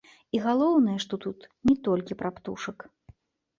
І галоўнае, што тут не толькі пра птушак.